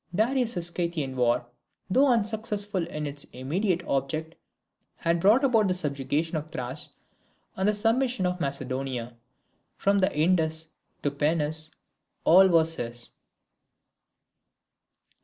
Darius's Scythian war, though unsuccessful in its immediate object, had brought about the subjugation of Thrace and the submission of Macedonia. From the Indus to the Peneus, all was his.